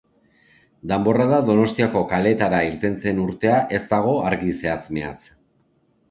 Danborrada Donostiako kaleetara irten zen urtea ez dago argi zehatz-mehatz.